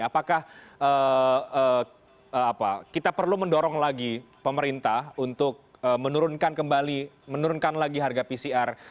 apakah kita perlu mendorong lagi pemerintah untuk menurunkan kembali menurunkan lagi harga pcr